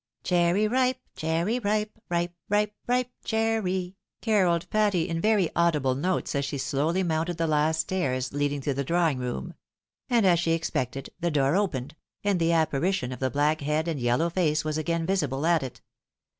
Cherry ripe, cherry ripe, ripe, ripe cherry," carolled Patty in very audible notes as she slowly mounted the last stairs leading to the drawing room ; and, as she expected, the door opened, and the apparition of the black head and yellow face was again visible at it.